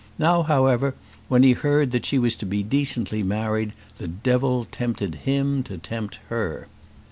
Now, however, when he heard that she was to be decently married, the devil tempted him to tempt her.